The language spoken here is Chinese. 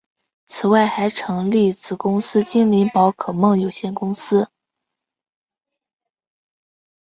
此外还成立子公司精灵宝可梦有限公司。